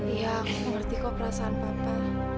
iya aku mengerti kok perasaan papa